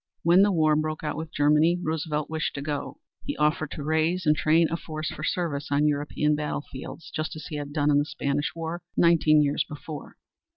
When the war broke out with Germany Roosevelt wished to go. He offered to raise and train a force for service on European battlefields, just as he had done in the Spanish war, nineteen years before.